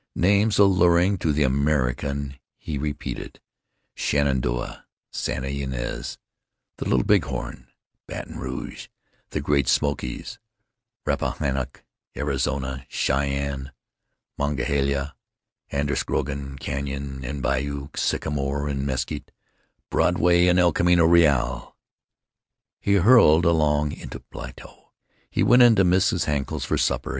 Names alluring to the American he repeated—Shenandoah, Santa Ynez, the Little Big Horn, Baton Rouge, the Great Smokies, Rappahannock, Arizona, Cheyenne, Monongahela, Androscoggin; cañon and bayou; sycamore and mesquite; Broadway and El Camino Real.... He hurled along into Plato. He went to Mrs. Henkel's for supper.